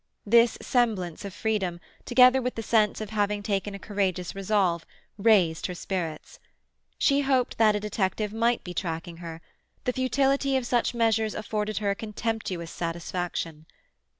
This semblance of freedom, together with the sense of having taken a courageous resolve, raised her spirits. She hoped that a detective might be tracking her; the futility of such measures afforded her a contemptuous satisfaction.